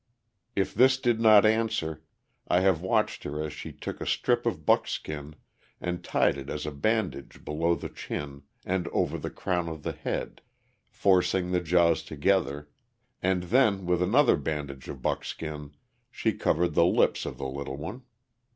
If this did not answer, I have watched her as she took a strip of buckskin and tied it as a bandage below the chin and over the crown of the head, forcing the jaws together, and then with another bandage of buckskin she covered the lips of the little one.